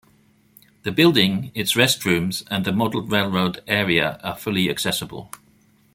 The building, its restrooms, and the model railroad area are fully accessible.